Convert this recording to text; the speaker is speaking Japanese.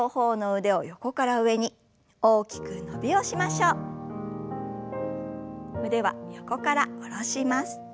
腕は横から下ろします。